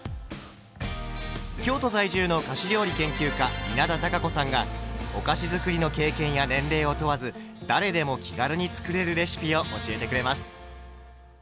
京都在住の菓子料理研究家稲田多佳子さんがお菓子づくりの経験や年齢を問わず誰でも気軽に作れるレシピを教えてくれます。